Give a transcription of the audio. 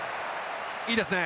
いいですね。